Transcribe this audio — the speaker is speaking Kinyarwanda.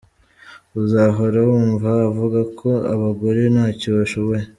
Uzahora wumva avuga ko abagore ntacyo bashoboye.